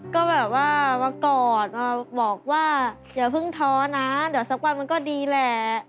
ก็แบบว่ามากอดมาบอกว่าอย่าเพิ่งท้อนะเดี๋ยวสักวันมันก็ดีแหละ